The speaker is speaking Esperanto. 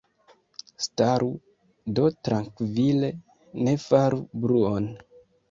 Staru do trankvile, ne faru bruon!